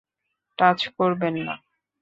Touch করবে না!